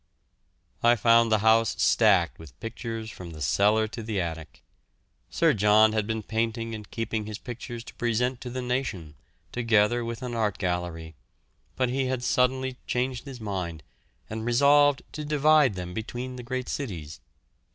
I found the house stacked with pictures from the cellar to the attic. Sir John had been painting and keeping his pictures to present to the nation, together with an art gallery; but he had suddenly changed his mind, and resolved to divide them between the great cities.